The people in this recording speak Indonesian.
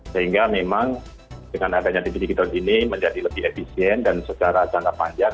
sehingga memang dengan adanya tv digital ini menjadi lebih efisien dan secara jangka panjang